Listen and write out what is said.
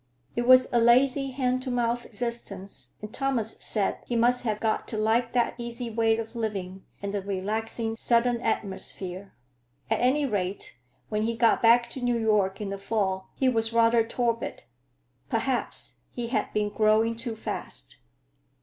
It was a lazy, hand to mouth existence, and Thomas said he must have got to like that easy way of living and the relaxing Southern atmosphere. At any rate, when he got back to New York in the fall, he was rather torpid; perhaps he had been growing too fast.